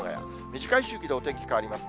短い周期でお天気変わります。